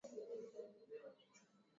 Uchumi wa Buluu ama uchumi wa bahari